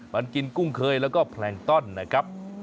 มันกินกุ้งเคยแล้วก็แพลงต้อนนะครับ